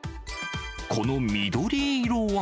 この緑色は。